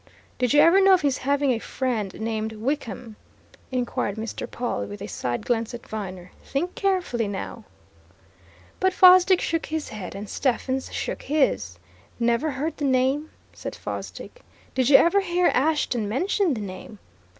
"Did you ever know of his having a friend named Wickham?" inquired Mr. Pawle with a side glance at Viner. "Think carefully, now!" But Fosdick shook his head, and Stephens shook his. "Never heard the name," said Fosdick. "Did you ever hear Ashton mention the name!"